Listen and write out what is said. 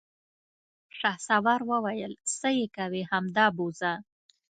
شهسوار وويل: څه يې کوې، همدا بوځه!